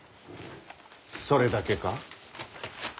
それだけか？